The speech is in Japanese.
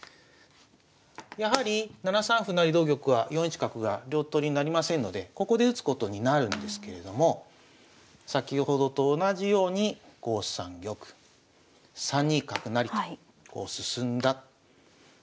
やはり７三歩成同玉は４一角が両取りになりませんのでここで打つことになるんですけれども先ほどと同じように５三玉３二角成とこう進んだように仮定しますね。